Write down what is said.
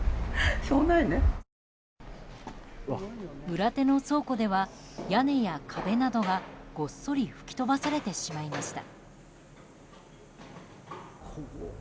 裏手の倉庫では屋根や壁などがごっそり吹き飛ばされてしまいました。